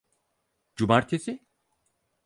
Cumartesi?